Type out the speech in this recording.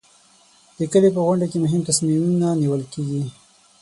د کلي په غونډه کې مهم تصمیمونه نیول کېږي.